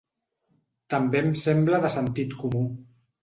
També em sembla de sentit comú.